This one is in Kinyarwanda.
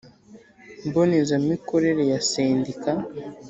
mboneza mikorere ya Sendika